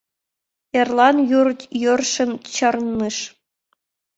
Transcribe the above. Эрлан йӱр йӧршын чарныш.